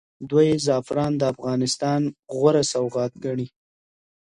دوی زعفران د افغانستان غوره سوغات ګڼي.